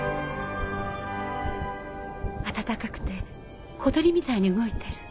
温かくて小鳥みたいに動いてる。